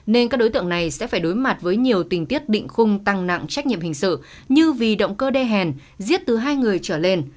nên các đối tượng này sẽ phải đối mặt với nhiều tình tiết định khung tăng nặng trách nhiệm hình sự như vì động cơ đê hèn giết từ hai người trở lên